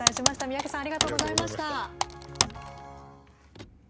宮家さんありがとうございました。